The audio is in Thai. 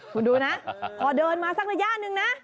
คุณดูนะพอเดินมาสักระยะหนึ่งนะ